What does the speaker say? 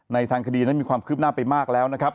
ทางคดีนั้นมีความคืบหน้าไปมากแล้วนะครับ